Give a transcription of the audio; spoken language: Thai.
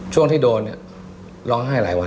ช่วงที่โดนเนี่ยร้องไห้หลายวัน